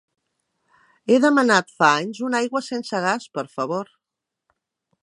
He demanat fa anys una aigua sense gas, per favor.